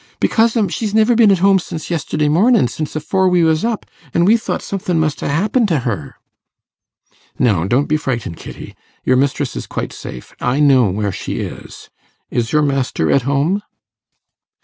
'Because 'm, she's niver been at home since yesterday mornin', since afore we was up; an' we thought somethin' must ha' happened to her.' 'No, don't be frightened, Kitty. Your mistress is quite safe; I know where she is. Is your master at home?